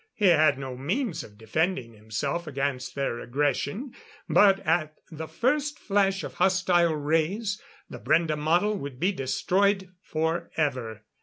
He had no means of defending himself against their aggression. But at the first flash of hostile rays, the Brende model would be destroyed forever.